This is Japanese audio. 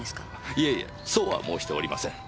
いえいえそうは申しておりません。